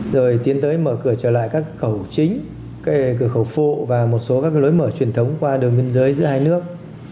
rồi tiến tới mở cửa trở lại các khẩu chính cửa khẩu phụ và một số các lối mở truyền thống qua đường biên giới giữa hai nước